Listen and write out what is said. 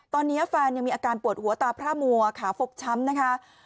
ตอนนี้แฟนยังมีอาการปวดหัวตาพระมัวขาฟกช้ำนะคะ